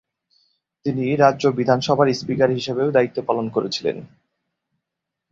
তিনি রাজ্য বিধানসভার স্পিকার হিসাবেও দায়িত্ব পালন করেছিলেন।